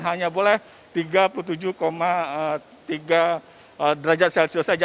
hanya boleh tiga puluh tujuh tiga derajat celcius saja